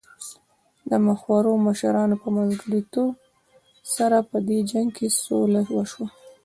د مخورو مشرانو په منځګړیتوب سره په دې جنګ کې سوله وشوه.